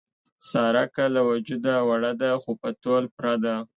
ساره که له وجوده وړه ده، خو په تول پوره ده.